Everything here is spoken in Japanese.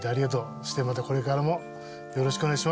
そしてまたこれからもよろしくお願いします！